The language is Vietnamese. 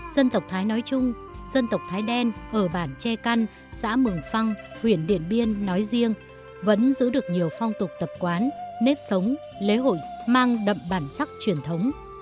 dân tộc thái nói chung dân tộc thái đen ở bản tre căn xã mường phăng huyện điện biên nói riêng vẫn giữ được nhiều phong tục tập quán nếp sống lễ hội mang đậm bản sắc truyền thống